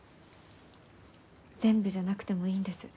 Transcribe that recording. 全部じゃなくてもいいんです。